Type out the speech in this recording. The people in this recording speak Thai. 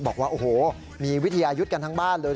บอกว่าโอ้โหมีวิทยายุทธ์กันทั้งบ้านเลย